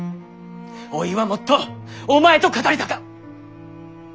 おいはもっとお前と語りたか。